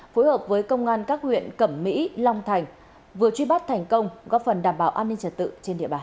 đối với công an các huyện cẩm mỹ long thành vừa truy bắt thành công góp phần đảm bảo an ninh trật tự trên địa bài